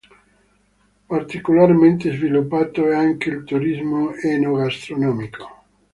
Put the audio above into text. Particolarmente sviluppato è anche il turismo eno-gastronomico.